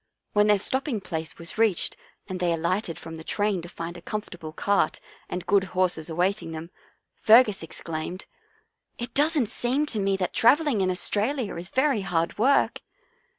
When their stopping place was reached and they alighted from the train to find a comfortable cart and good horses awaiting them, Fergus exclaimed, " It doesn't seem to me that travelling in Aus tralia is very hard work."